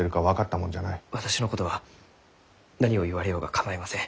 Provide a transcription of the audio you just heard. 私のことは何を言われようが構いません。